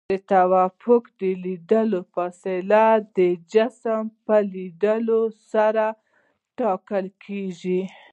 د توقف د لید فاصله د جسم په لیدلو سره ټاکل کیږي